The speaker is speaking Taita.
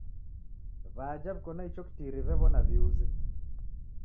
W'aja w'iko na icho kitiri w'ew'ona w'iuze.